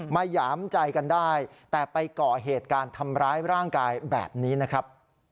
หยามใจกันได้แต่ไปเกาะเหตุการณ์ทำร้ายร่างกายแบบนี้นะครับ